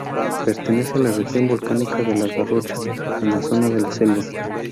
Pertenece a la Región volcánica de La Garrocha, en la zona de La Selva.